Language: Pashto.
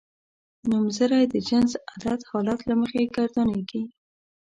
نومځری د جنس عدد حالت له مخې ګردانیږي.